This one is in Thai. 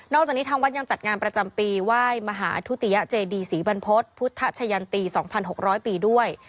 จากนี้ทางวัดยังจัดงานประจำปีไหว้มหาทุติยเจดีศรีบรรพฤษพุทธชะยันตี๒๖๐๐ปีด้วย